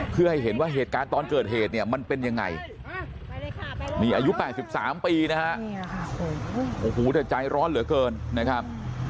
เพื่อให้เห็นว่าเหตุการณ์ตอนเกิดเหตุเนี่ยมันเป็นยังไงนี่อายุ๘๓ปีนะฮะโอ้โหแต่ใจร้อนเหลือเกินนะครับ